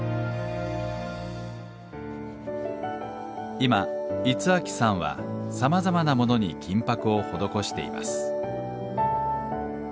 今五明さんはさまざまなものに金箔を施しています。